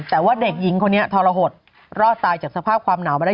แต่ว่าเด็กหญิงคนนี้ทรหดรอดตายจากสภาพความหนาวมาได้